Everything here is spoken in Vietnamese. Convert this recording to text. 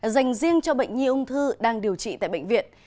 dành riêng cho bệnh nhi ung thư đang điều trị tại bệnh viện